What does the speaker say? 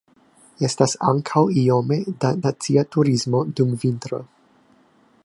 Estas ankaŭ iome da nacia turismo dum vintro.